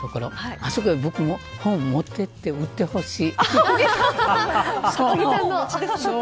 あそこへ僕も、本を持っていって売ってほしい。